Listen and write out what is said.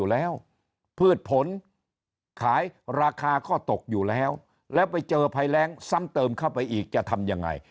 แล้วก็ตกอยู่แล้วแล้วไปเจอภัยแรงซ้ำเติมเข้าไปอีกจะทำยังไง